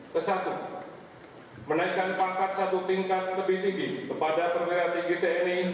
kesatu menaikkan pangkat satu tingkat lebih tinggi kepada perwira tinggi tni